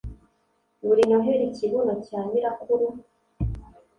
buri Noheri Ikibuno cya nyirakuru